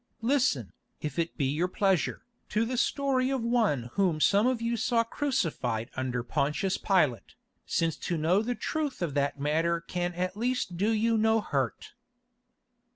Listen, if it be your pleasure, to the story of One whom some of you saw crucified under Pontius Pilate, since to know the truth of that matter can at least do you no hurt."